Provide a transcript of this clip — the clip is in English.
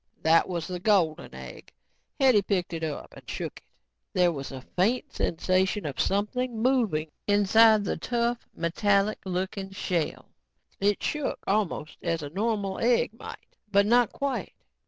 That was the golden egg. Hetty picked it up and shook it. There was a faint sensation of something moving inside the tough, metallic looking shell. It shook almost as a normal egg might, but not quite.